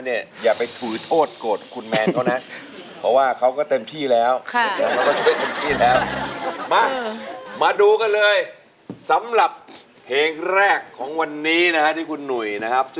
เพลงที่๔ของเขาดูสิว่าเขาจะทำสำเร็จหรือว่าร้องผิดครับ